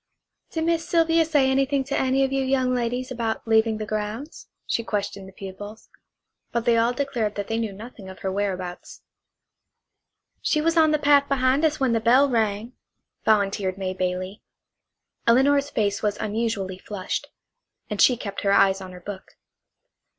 "Did Miss Sylvia say anything to any of you young ladies about leaving the grounds?" she questioned the pupils. But they all declared that they knew nothing of her whereabouts. "She was on the path behind us when the bell rang," volunteered May Bailey. Elinor's face was unusually flushed, and she kept her eyes on her book.